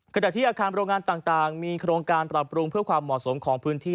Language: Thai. ขณะที่อาคารโรงงานต่างมีโครงการปรับปรุงเพื่อความเหมาะสมของพื้นที่